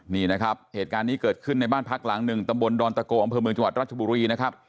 นี่นะครับเหตุการณ์นี้เกิดขึ้นในบ้านพักหลังหนึ่งตำบลดอนตะโกอำเภอเมืองจังหวัดรัชบุรีนะครับ